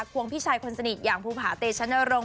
วงพี่ชายคนสนิทอย่างภูผาเตชนรงค